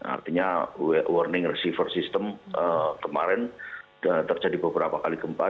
artinya warning receiver system kemarin terjadi beberapa kali gempa